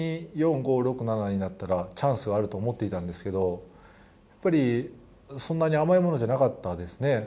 逆に４、５、６、７になったらチャンスはあると思っていたんですけどやっぱり、そんなに甘いものじゃなかったですね。